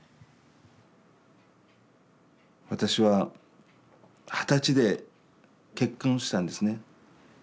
私は二十歳で結婚したんですね。